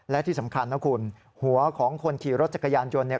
และที่สำคัญนะคุณหัวของคนขี่รถจักรยานยนต์เนี่ย